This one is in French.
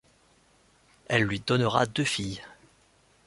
Elle lui donnera deux filles.